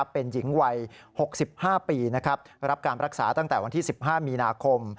เป็นหญิงวัย๖๕ปีรับการรักษาตั้งแต่วันที่๑๕มีนาคม